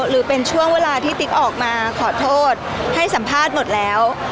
หรือเป็นช่วงเวลาที่ติ๊กออกมาขอโทษให้สัมภาษณ์หมดแล้ว